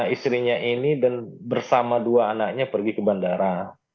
istrinya ini dan bersama dua anaknya pergi ke bandara